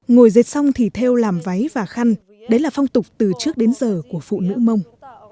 ngồi dệt xong thì theo làm váy và khăn đấy là phong tục từ trước đến giờ của phụ nữ mông